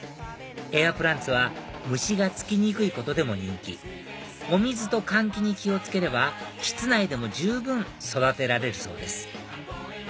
エアプランツは虫がつきにくいことでも人気お水と換気に気を付ければ室内でも十分育てられるそうです